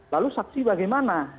lalu saksi bagaimana